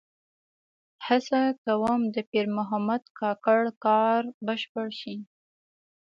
هڅه کوم د پیر محمد کاکړ کار بشپړ شي.